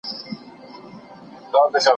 د ټولنې پېژندل یو ستونزمن کار دی.